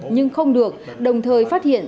nhưng không được đồng thời phát hiện